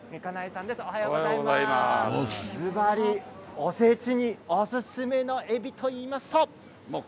おせちにおすすめのえびといいますと。